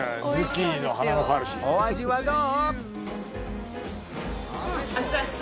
お味はどう？